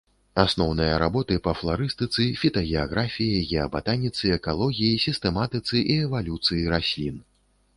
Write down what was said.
Асноўныя работы па фларыстыцы, фітагеаграфіі, геабатаніцы, экалогіі, сістэматыцы і эвалюцыі раслін.